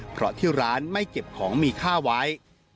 เพราะที่ร้านไม่เก็บของมีค่าไว้